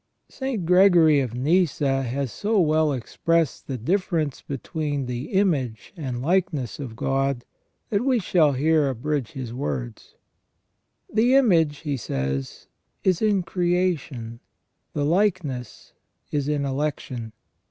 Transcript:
St. Gregory of Nyssa has so well expressed the difference between the image and likeness of God, that we shall here abridge his words: "The image," he says, "is in creation, the likeness is in election.